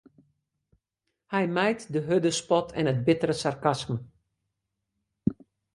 Hy mijt de hurde spot en it bittere sarkasme.